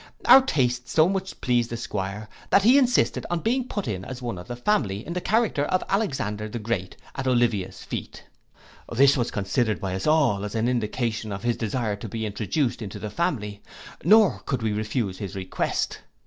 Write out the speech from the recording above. Our taste so much pleased the 'Squire, that he insisted on being put in as one of the family in the character of Alexander the great, at Olivia's feet. This was considered by us all as an indication of his desire to be introduced into the family, nor could we refuse his request.